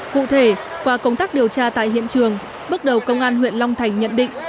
cụ thể qua công tác điều tra tại hiện trường bước đầu công an huyện long thành nhận định